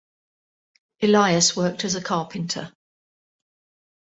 Elias worked as a carpenter.